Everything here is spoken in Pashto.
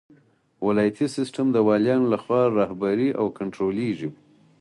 ولایتي سیسټم د والیانو لخوا رهبري او کنټرولیږي.